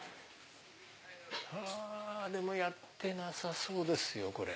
うわでもやってなさそうですよ。